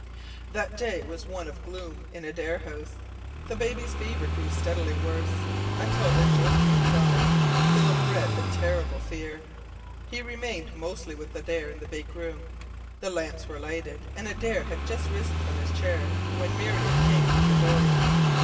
That day was one of gloom in Adare House. The baby's fever grew steadily worse, until in Josephine's eyes Philip read the terrible fear. He remained mostly with Adare in the big room. The lamps were lighted, and Adare had just risen from his chair, when Miriam came through the door.